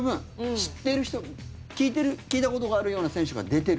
知ってる人聞いたことがあるような選手が出てる。